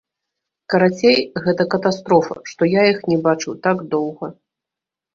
Карацей, гэта катастрофа, што я іх не бачыў так доўга.